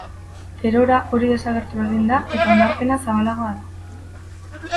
Gerora hori desagertu egin da eta onarpena zabalagoa da.